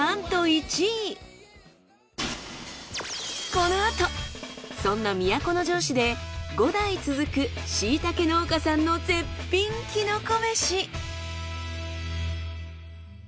このあとそんな都城市で５代続くしいたけ農家さんの絶品キノコめし。